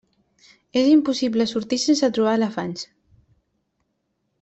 És impossible sortir sense trobar elefants.